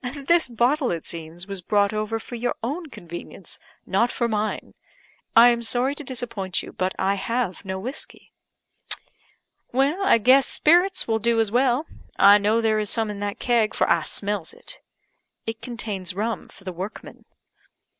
This bottle, it seems, was brought over for your own convenience, not for mine. I am sorry to disappoint you, but I have no whiskey." "I guess spirits will do as well; I know there is some in that keg, for I smells it." "It contains rum for the workmen."